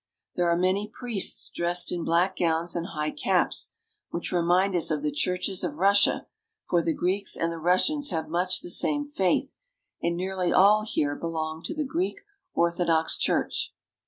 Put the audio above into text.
There are many priests dressed in black gowns and high caps, which remind us of the churches of Russia, for the Greeks and the Russians have much the same faith, and nearly all here belong to the Greek Orthodox Church.